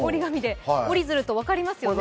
折り鶴と分かりますよね。